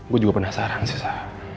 gue juga penasaran sih sah